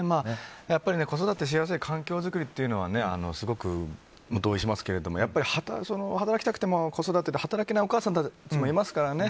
子育てしやすい環境づくりはすごく同意しますけれども働きたくても子育てで働けないお母さんもいますからね。